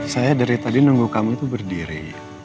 saya dari tadi nunggu kamu itu berdiri